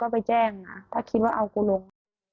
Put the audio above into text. ไปแจ้งนะก็คิดว่าเอากูลง